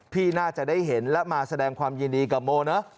พี่น่าจะได้เห็นและมาแสดงความยินดีกับโมเนอะ